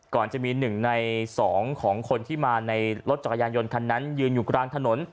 ก่อนจะมี๑ใน๒ของคนที่มาในรถจักรยานยนต์คันนั้นยืนอยู่กลางถนน